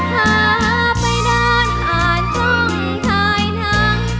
ข้าไปด้านห่านท่องทายนาง